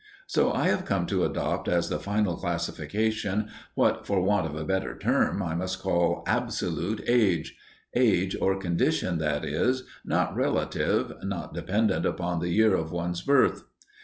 So I have come to adopt as the final classification what, for want of a better term, I must call Absolute Age age or condition, that is, not relative, not dependent upon the year of one's birth.